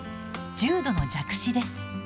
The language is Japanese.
重度の弱視です。